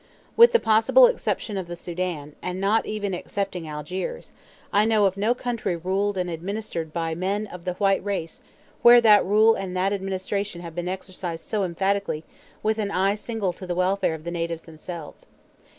With the possible exception of the Sudan, and not even excepting Algiers, I know of no country ruled and administered by men of the white race where that rule and that administration have been exercised so emphatically with an eye single to the welfare of the natives themselves.